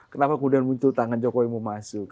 kenapa kemudian muncul tangan jokowi mau masuk